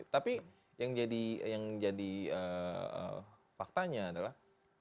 tapi yang jadi faktanya adalah